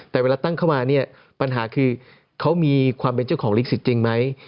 แต่เวลาตั้งเข้ามาเนี่ยปัญหาคือเขามีความเป็นเจ้าของลิขสิทธิ์จริงไหม